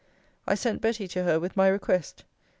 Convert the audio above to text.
I sent Betty to her with my request.